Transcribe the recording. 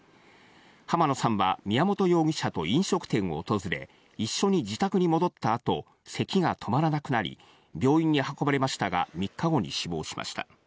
浜野さんは宮本容疑者と飲食店を訪れ、一緒に自宅に戻った後、せきが止まらなくなり、病院に運ばれましたが３日後に死亡しました。